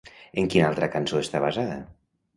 En quina altra cançó està basada?